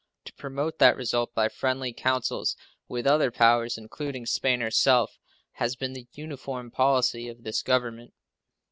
To promote that result by friendly counsels with other powers, including Spain herself, has been the uniform policy of this Government.